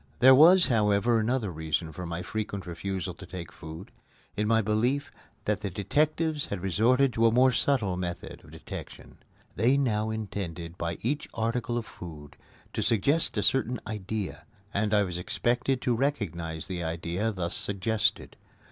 There was, however, another reason for my frequent refusal to take food, in my belief that the detectives had resorted to a more subtle method of detection. They now intended by each article of food to suggest a certain idea, and I was expected to recognize the idea thus suggested.